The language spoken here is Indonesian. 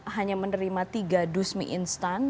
hanya menerima tiga dusmi instan